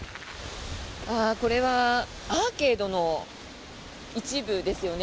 これはアーケードの一部ですよね。